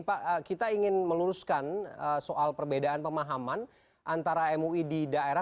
pak kita ingin meluruskan soal perbedaan pemahaman antara mui di daerah